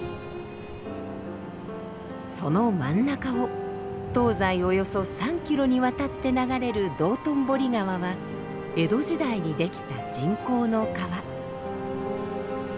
その真ん中を東西およそ３キロにわたって流れる道頓堀川は江戸時代にできた人工の川。